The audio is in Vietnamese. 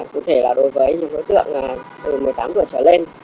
cụ thể là đối với những đối tượng từ một mươi tám tuổi trở lên